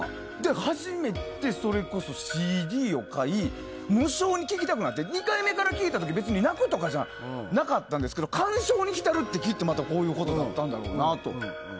初めてＣＤを買い無性に聴きたくなって２回目から聴いた時は、別に泣くとかじゃなかったんですけど感傷に浸るってきっとまたこういうことだったんだろうなと。